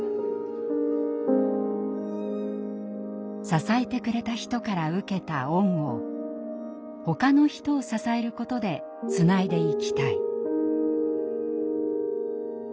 支えてくれた人から受けた恩をほかの人を支えることでつないでいきたい。